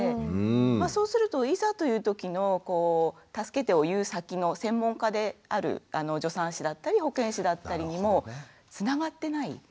そうするといざというときの助けてを言う先の専門家である助産師だったり保健師だったりにもつながってない。